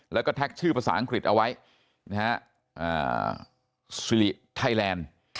แล้วก็แท็กชื่อภาษาอังกฤษเอาไว้นะฮะสิริไทยแลนด์